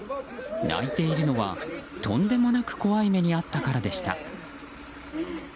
泣いているのは、とんでもなく怖い目に遭ったからでした。